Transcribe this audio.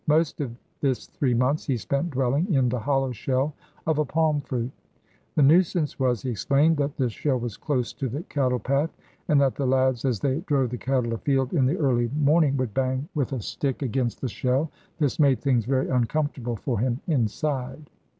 Most of this three months he spent dwelling in the hollow shell of a palm fruit. The nuisance was, he explained, that this shell was close to the cattle path, and that the lads as they drove the cattle afield in the early morning would bang with a stick against the shell. This made things very uncomfortable for him inside.